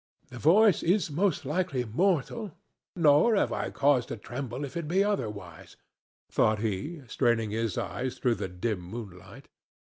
"The voice is most likely mortal, nor have I cause to tremble if it be otherwise," thought he, straining his eyes through the dim moonlight.